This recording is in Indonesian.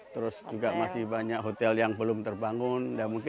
terus juga masih banyak hotel yang belum terbangun